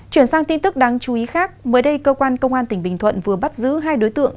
chuyển sang tin tức đáng chú ý khác mới đây cơ quan công an tỉnh bình thuận vừa bắt giữ hai đối tượng